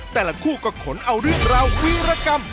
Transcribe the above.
แต่ละคู่ก็ขนเอารึดราววิรกรรม